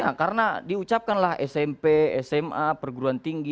ya karena diucapkanlah smp sma perguruan tinggi